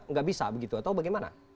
nggak bisa begitu atau bagaimana